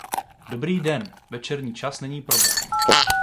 Dobrý den, večerní čas není problém.